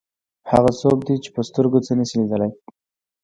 هغه څوک دی چې په سترګو څه لیدلی نه شي.